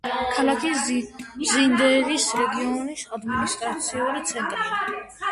ქალაქი ზინდერის რეგიონის ადმინისტრაციული ცენტრია.